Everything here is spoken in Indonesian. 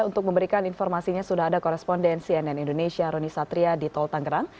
untuk memberikan informasinya sudah ada koresponden cnn indonesia roni satria di tol tangerang